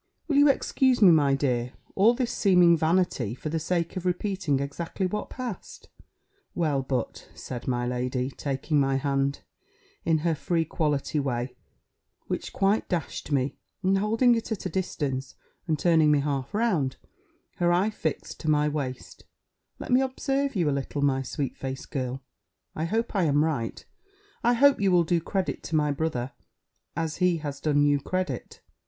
Will you excuse me, my dear, all this seeming vanity, for the sake of repeating exactly what passed? "Well, but," said my lady, taking my hand, in her free quality way, which quite dashed me, and holding it at a distance, and turning me half round, her eye fixed to my waist, "let me observe you a little, my sweet faced girl; I hope I am right: I hope you will do credit to my brother, as he has done you credit.